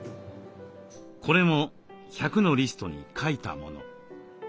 これも１００のリストに書いたもの。